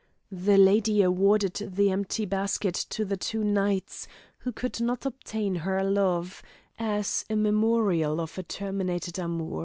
The lady awarded the empty basket to the two knights, who could not obtain her love, as a memorial of a terminated amour.